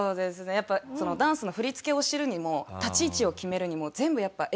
やっぱりダンスの振り付けを知るにも立ち位置を決めるにも全部やっぱ英語で。